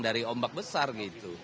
dari ombak besar gitu